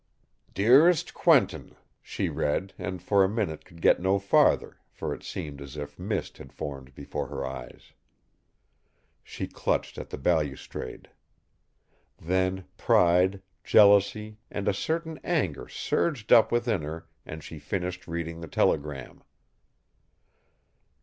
"Dearest Quentin," she read and for a minute could get no farther, for it seemed as if a mist had formed before her eyes. She clutched at the balustrade. Then pride, jealousy, and a certain anger surged up within her and she finished reading the telegram.